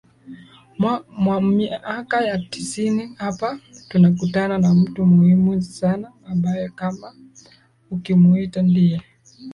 mwa miaka ya tisini Hapa tunakutana na mtu muhimu sana ambaye kama ukimuita ndiye